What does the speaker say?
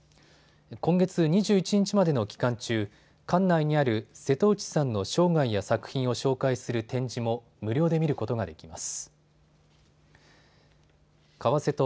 今月２１日までの期間中、館内にある瀬戸内さんの生涯や作品を紹介する展示も無料で見ることができます。